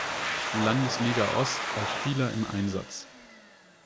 Landesliga Ost als Spieler im Einsatz.